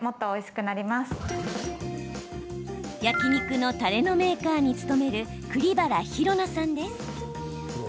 焼き肉のタレのメーカーに務める栗原寛奈さんです。